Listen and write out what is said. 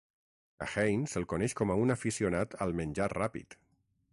A Hein se'l coneix com a un aficionat al menjar ràpid.